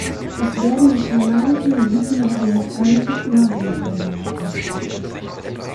Es werden die schamanischen Riten der amerikanischen Ureinwohner thematisiert.